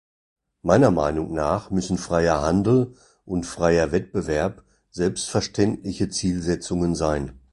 Meiner Meinung nach müssen freier Handel und freier Wettbewerb selbstverständliche Zielsetzungen sein.